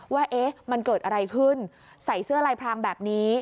ว่ามันเกิดอะไรขึ้นใส่เสื้อลายพรางแบบนี้